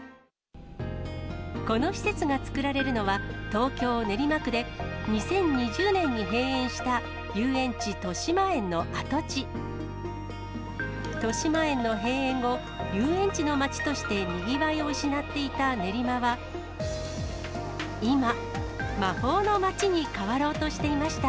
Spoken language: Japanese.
この施設が作られるのは、東京・練馬区で、２０２０年に閉園した遊園地、としまえんの跡地。としまえんの閉園後、遊園地の街としてにぎわいを失っていた練馬は、今、魔法の街に変わろうとしていました。